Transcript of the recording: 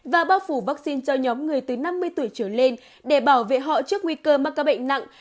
và bao phủ vaccine cho nhóm người từ năm mươi tuổi trở lên để bảo vệ họ trước nguy cơ mắc ca bệnh nặng